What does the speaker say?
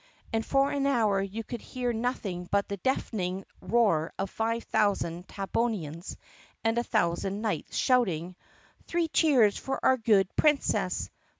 And for an hour you could hear nothing but the deafening roar of five thousand Tabbonians and a thousand knights shouting :" Three cheers for our good Princess!